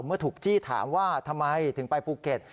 เมื่อถูกจี้ถามว่าทำไมถึงไปภูเก็ต